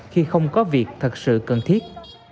khi không có việc thật sự cần thiết